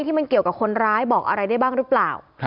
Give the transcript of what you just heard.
ที่มันเกี่ยวกับคนร้ายบอกอะไรได้บ้างหรือเปล่า